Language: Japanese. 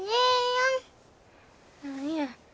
何や。